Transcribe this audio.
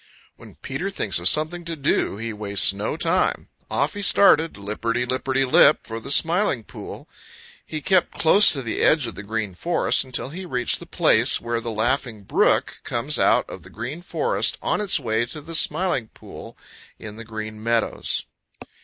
When Peter thinks of something to do he wastes no time. Off he started, lipperty lipperty lip, for the Smiling Pool. He kept close to the edge of the Green Forest until he reached the place where the Laughing Brook comes out of the Green Forest on its way to the Smiling Pool in the Green Meadows.